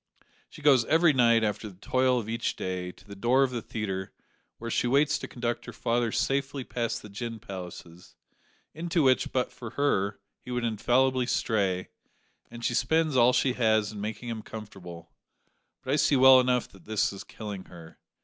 She goes every night, after the toil of each day, to the door of the theatre, where she waits to conduct her father safely past the gin palaces, into which, but for her, he would infallibly stray, and she spends all she has in making him comfortable, but I see well enough that this is killing her.